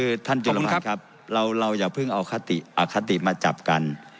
คือท่านจุลมัติครับเราอย่าเพิ่งเอาคติอคติมาจับกัน